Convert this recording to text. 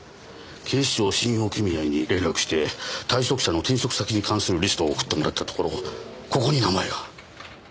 警視庁信用組合に連絡して退職者の転職先に関するリストを送ってもらったところここに名前が。